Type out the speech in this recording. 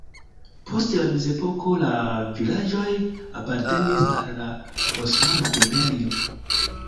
Post la mezepoko la vilaĝoj apartenis al la Osmana Imperio.